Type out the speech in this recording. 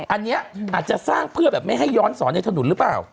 อันนี้อาจจะสร้างเพื่อแบบไม่ให้ย้อนสอนในถนนหรือเปล่า